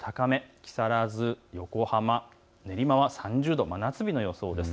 木更津、横浜、今は３０度、真夏日の予想です。